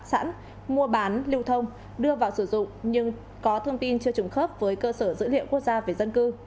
sẵn mua bán lưu thông đưa vào sử dụng nhưng có thông tin chưa trùng khớp với cơ sở dữ liệu quốc gia về dân cư